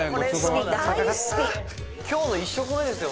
「今日の１食目ですよ！？